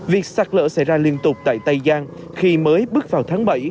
việc sạt lở xảy ra liên tục tại tây giang khi mới bước vào tháng bảy